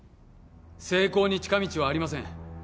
成功に近道はありません